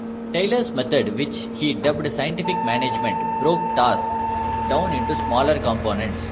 Taylor's method, which he dubbed "Scientific Management," broke tasks down into smaller components.